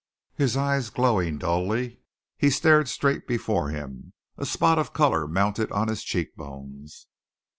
His eyes glowing dully, he stared straight before him; a spot of colour mounted on his cheekbones.